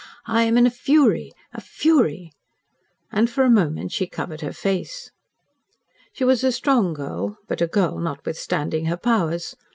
"I am in a fury a fury." And for a moment she covered her face. She was a strong girl, but a girl, notwithstanding her powers.